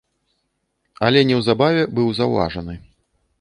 Але неўзабаве быў заўважаны.